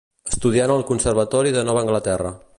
Estudià en el Conservatori de Nova Anglaterra.